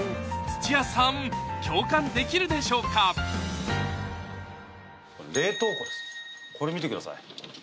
土屋さん共感できるでしょうかこれ見てください